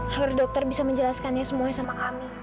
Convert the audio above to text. agar dokter bisa menjelaskannya semuanya sama kami